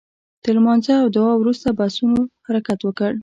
تر لمانځه او دعا وروسته بسونو حرکت وکړ.